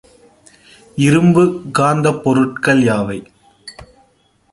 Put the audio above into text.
இரும்புக்காந்தப் பொருள்கள் யாவை?